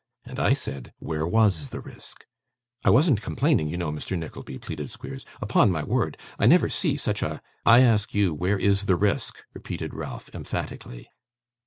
'And I said, where was the risk?' 'I wasn't complaining, you know, Mr. Nickleby,' pleaded Squeers. 'Upon my word I never see such a ' 'I ask you where is the risk?' repeated Ralph, emphatically.